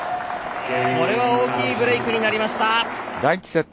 これは大きいブレイクになりました。